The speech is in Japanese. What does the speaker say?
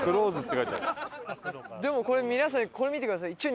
でもこれ皆さんこれ見てください。